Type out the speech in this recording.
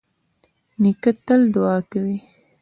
نیکه تل دعا کوي.